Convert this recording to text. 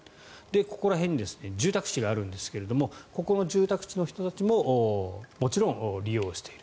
ここら辺に住宅地があるんですがここの住宅地の人たちももちろん利用している。